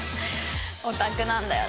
オタクなんだよね。